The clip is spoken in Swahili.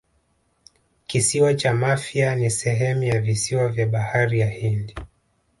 Kisiwa cha Mafia ni sehemu ya visiwa vya Bahari ya Hindi